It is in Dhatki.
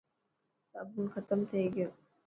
صابڻ ختم تي گيو.